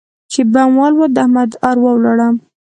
چې بم والوت؛ د احمد اروا ولاړه.